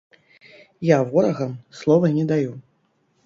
Я ворагам слова не даю.